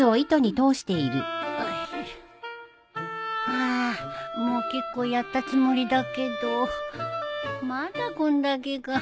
ハアもう結構やったつもりだけどまだこんだけか